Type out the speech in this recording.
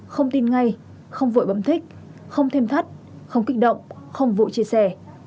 không tin ngay không vội bấm thích không thêm thắt không kích động không vụ chia sẻ